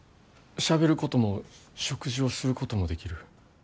しゃべることも食事をすることもできる。